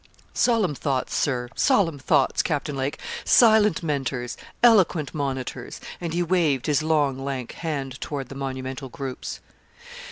'Solemn thoughts, Sir solemn thoughts, Captain Lake silent mentors, eloquent monitors!' And he waved his long lank hand toward the monumental groups.